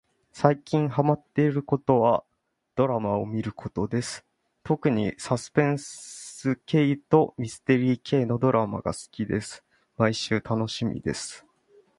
さいきんはまってることはどらまをみることですとくにさすぺんすけいとみすてりーけいのどらまがすきですまいしゅうたのしみです